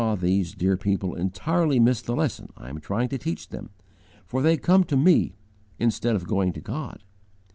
these dear people entirely miss the lesson I am trying to teach them, for they come to me, instead of going to _God.'